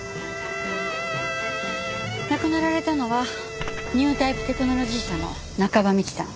亡くなられたのはニュータイプテクノロジー社の中葉美智さん。